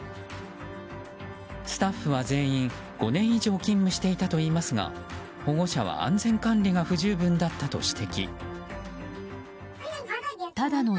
スタッフは全員５年以上勤務していたといいますが保護者は安全管理が不十分だったと指摘。